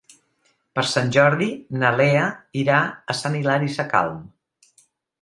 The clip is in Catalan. Per Sant Jordi na Lea irà a Sant Hilari Sacalm.